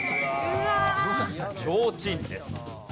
「ちょうちん」です。